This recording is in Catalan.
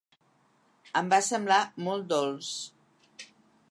Em va semblar molt dolç.